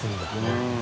うん。